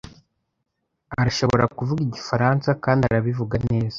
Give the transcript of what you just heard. Arashobora kuvuga Igifaransa kandi arabivuga neza.